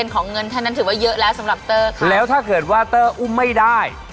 ของเงินไฉันถือว่าเยอะแล้วสำหรับเจอแล้วถ้าเกิดว่าเจออุ้มไม่ได้